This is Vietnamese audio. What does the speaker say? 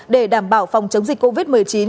để đảm bảo phòng chống dịch covid một mươi chín